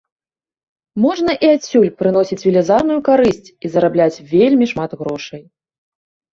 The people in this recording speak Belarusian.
Можна і адсюль прыносіць велізарную карысць і зарабляць вельмі шмат грошай.